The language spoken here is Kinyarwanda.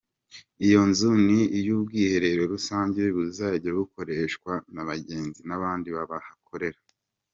Iyo nzu ni iy’ubwiherero rusange buzajya bukoreshwa n’abagenzi n’abandi bahakorera.